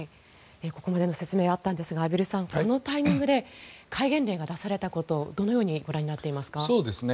ここまでの説明あったんですが畔蒜さん、このタイミングで戒厳令が出されたことをどのようにご覧になっていますか？